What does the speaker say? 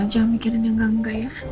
aja mikirin yang enggak enggak ya